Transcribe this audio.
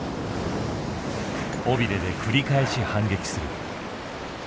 尾びれで繰り返し反撃する。